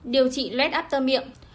điều trị lết áp tơ miệng